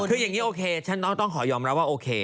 คืออย่างนี้โอเคฉันต้องขอยอมรับว่าโอเค